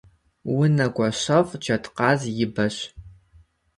Унэгуащэфӏ джэдкъаз и бэщ.